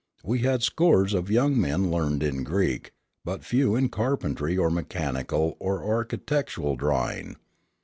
We had scores of young men learned in Greek, but few in carpentry or mechanical or architectural drawing.